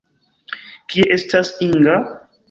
Kie estas Inga?